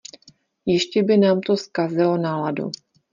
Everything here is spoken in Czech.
Ještě by nám to zkazilo náladu.